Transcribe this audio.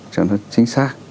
cho nó chính xác